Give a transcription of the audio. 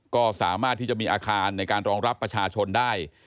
ก็สามารถที่จะมีอาคารในการรองรับประชาชนได้